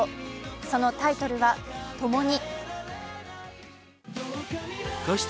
そのタイトルは「ともに」。